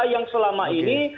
yang selama ini